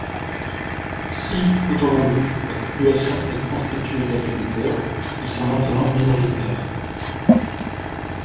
Si tout au long du la population était constituée d'agriculteurs, ils sont maintenant minoritaires.